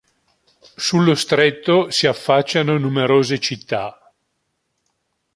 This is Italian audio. Sullo stretto si affacciano numerose città.